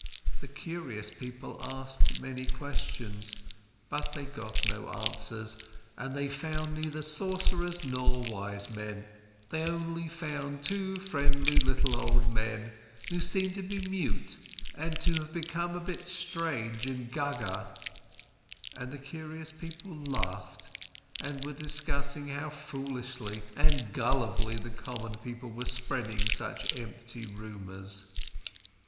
The curious people asked many questions, but they got no answers, and they found neither sorcerers nor wise men, they only found two friendly little old men, who seemed to be mute and to have become a bit strange and gaga. And the curious people laughed and were discussing how foolishly and gullibly the common people were spreading such empty rumours.